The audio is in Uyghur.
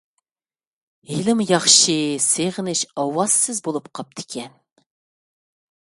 ھېلىمۇ ياخشى سېغىنىش ئاۋازسىز بولۇپ قاپتىكەن.